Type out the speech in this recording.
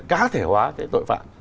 cá thể hóa tội phạm